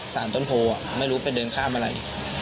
สารต้นโพไม่รู้ไปเดินข้ามอะไร